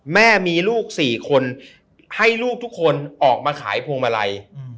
แม่มีลูก๔คนให้ลูกทุกคนออกมาขายพวงมาลัย